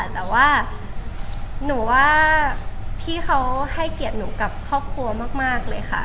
แต่ว่าหนูว่าพี่เขาให้เกียรติหนูกับครอบครัวมากเลยค่ะ